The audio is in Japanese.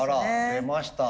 出ました。